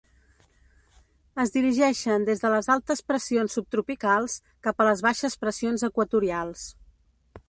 Es dirigeixen des de les altes pressions subtropicals, cap a les baixes pressions equatorials.